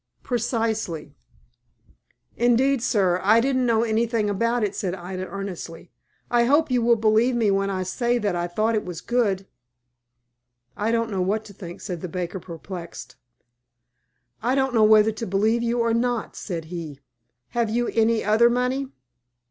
"Precisely." "Indeed, sir, I didn't know anything about it," said Ida, earnestly, "I hope you will believe me when I say that I thought it was good." "I don't know what to think," said the baker, perplexed. "I don't know whether to believe you or not," said he. "Have you any other money?"